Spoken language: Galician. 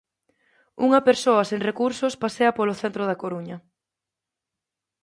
Unha persoa sen recursos pasea polo centro da Coruña.